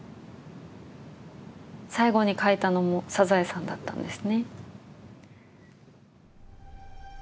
最後に描いたのもサザエさんだったんですね。